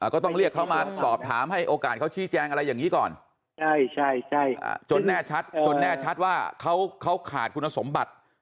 ก็ต้องเรียกเขามาสอบถามให้โอกาสเขาชี้แจงอะไรอย่างนี้ก่อนจนแน่ชัดจนแน่ชัดว่าเขาขาดคุณสมบัติ